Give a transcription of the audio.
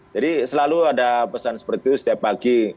jadi selalu ada pesan seperti itu setiap pagi